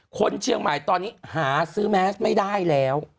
คนเชียงใหม่ตอนนี้หาซื้อแมสไม่ได้แล้ว